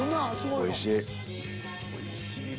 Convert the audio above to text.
おいしいね。